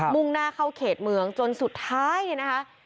่งหน้าเข้าเขตเมืองจนสุดท้ายเนี่ยนะคะ